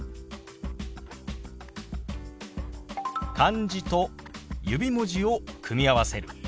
漢字と指文字を組み合わせる。